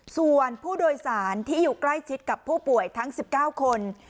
ส่วนผู้โดยสารที่อยู่ใกล้ชิดกับผู้ป่วยทั้ง๑๙คน